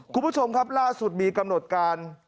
คุณผู้ชมครับล่าสุดมีกำหนดการ